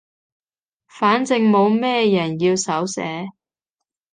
反正冇咩人要手寫